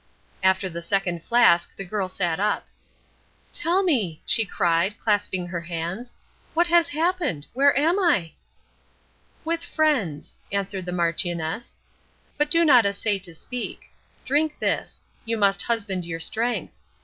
After the second flask the girl sat up. "Tell me," she cried, clasping her hands, "what has happened? Where am I?" "With friends!" answered the Marchioness. "But do not essay to speak. Drink this. You must husband your strength.